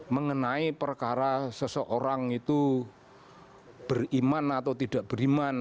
mengenai perkara seseorang itu beriman atau tidak beriman